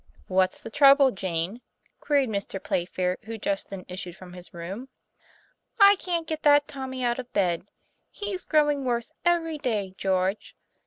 "What's the trouble, Jane?" queried Mr. Playfair, who just then issued from his room. '* I can't get that Tommy out of bed. He's grow ing worse every day, George.